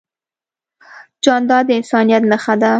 جانداد د انسانیت نښه ده.